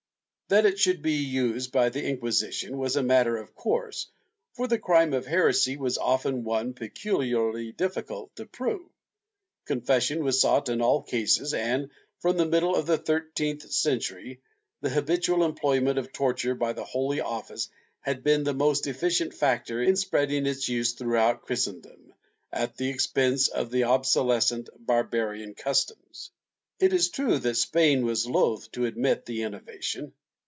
^ That it should be used by the Inquisition was a matter of course, for the crime of heresy was often one peculiarly difficult to prove; confession was sought in all cases and, from the middle of the thirteenth century, the habitual employment of torture by the Holy Office had been the most efficient factor in spreading its use throughout Christendom, at the expense of the obsoles cent Barbarian customs. It is true that Spain was loath to admit the innovation.